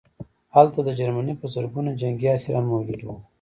هلته د جرمني په زرګونه جنګي اسیران موجود وو